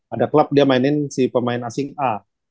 ada klub dia mainin si pemain asing a